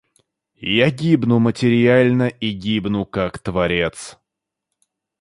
Я гибну материально и гибну как творец.